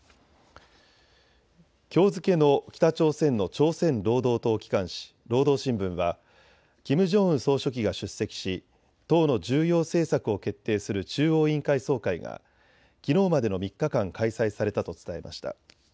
きょう付けの北朝鮮の朝鮮労働党機関紙、労働新聞はキム・ジョンウン総書記が出席し党の重要政策を決定する中央委員会総会がきのうまでの３日間、開催されたと伝えました。